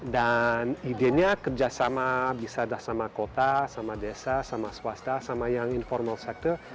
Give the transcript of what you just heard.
dan idenya kerjasama bisa sama kota sama desa sama swasta sama yang informal sector